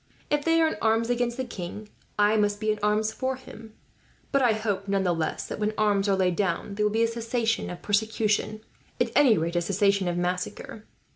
If they are in arms against the king, I must be in arms for him; but I hope none the less that, when arms are laid down, there will be a cessation of persecution at any rate, a cessation of massacre.